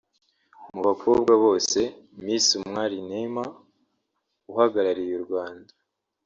Mu bakobwa bose Miss Umwali Neema uhagarariye u Rwanda